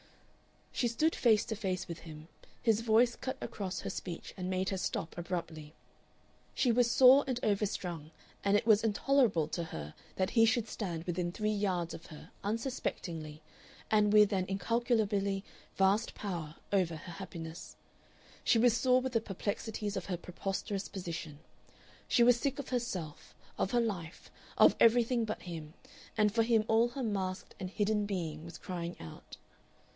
She stood face to face with him, and his voice cut across her speech and made her stop abruptly. She was sore and overstrung, and it was intolerable to her that he should stand within three yards of her unsuspectingly, with an incalculably vast power over her happiness. She was sore with the perplexities of her preposterous position. She was sick of herself, of her life, of everything but him; and for him all her masked and hidden being was crying out.